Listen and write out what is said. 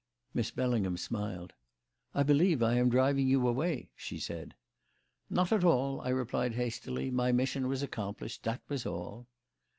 Miss Bellingham smiled. "I believe I am driving you away," she said. "Not at all," I replied hastily. "My mission was accomplished, that was all."